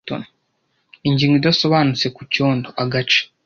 Ingingo idasobanutse ku cyondo; agace